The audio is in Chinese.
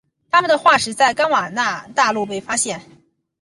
它们的化石在冈瓦纳大陆被发现。